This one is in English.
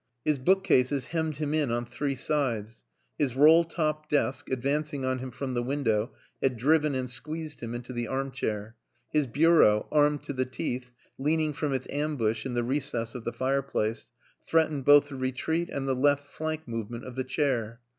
His bookcases hemmed him in on three sides. His roll top desk, advancing on him from the window, had driven and squeezed him into the arm chair. His bureau, armed to the teeth, leaning from its ambush in the recess of the fireplace, threatened both the retreat and the left flank movement of the chair.